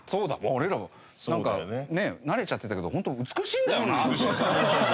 俺らはなんかねえ慣れちゃってたけどホント美しいんだよなって。